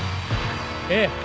ええ。